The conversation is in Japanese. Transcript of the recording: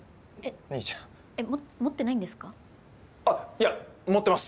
いや持ってます！